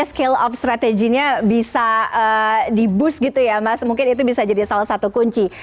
jadi skill of strateginya bisa di boost gitu ya mbak mungkin itu bisa jadi salah satu kunci